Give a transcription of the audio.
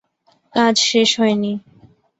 কাজ শেষ হয়নি।